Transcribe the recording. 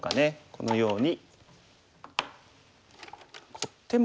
このように。